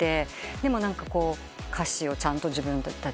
でも歌詞をちゃんと自分たちで。